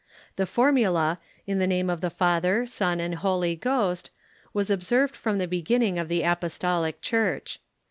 The formula, " In the name of the Father, Son, and Holy Ghost," was observed from the beginning of the Apostolic Church.